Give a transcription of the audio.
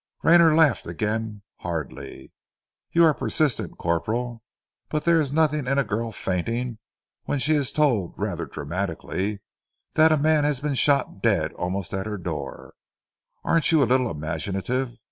Rayner laughed again hardly. "You are persistent, Corporal, but there is nothing in a girl fainting when she is told rather dramatically that a man has been shot dead almost at her own door. Aren't you a little imaginative?